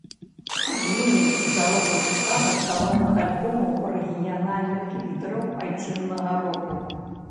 А з ім і здаровую цікавасць да новых альбомаў рэгіянальных лідэраў айчыннага року.